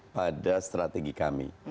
pada strategi kami